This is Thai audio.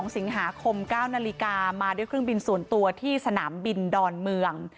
๒สิงหาคม๙นาฬิกามาด้วยเครื่องบินส่วนตัวที่สนามบินดอนเมือง